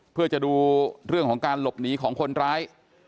เพื่อจะดูเรื่องของการหลบหนีของคนร้าย